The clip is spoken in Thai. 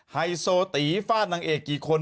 ไฮโซตีฟาดนางเอกกี่คน